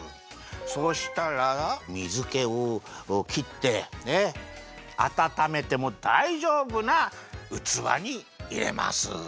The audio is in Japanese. そうしたらみずけをきってあたためてもだいじょうぶなうつわにいれます。